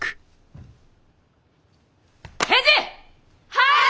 はい！